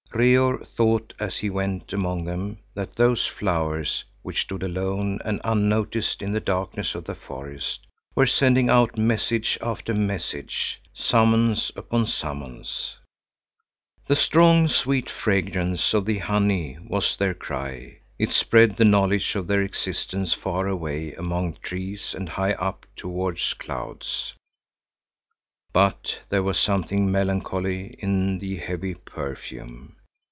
Reor thought, as he went among them, that those flowers, which stood alone and unnoticed in the darkness of the forest, were sending out message after message, summons upon summons. The strong, sweet fragrance of the honey was their cry; it spread the knowledge of their existence far away among the trees and high up towards the clouds. But there was something melancholy in the heavy perfume.